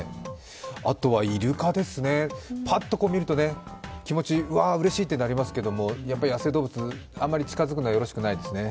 あとはイルカですね、ぱっと見ると気持ち、わ、うれしいとなりますけど、やっぱり野生動物、あまり近づくのはよろしくないですね。